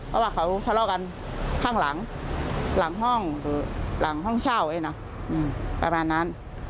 เขาพาเล่ากันข้างหลังหลังห้องหรือหลังห้องเช่าไอ้เนอะอืมประมาณนั้น